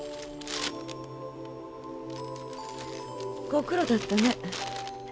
ご苦労だったね。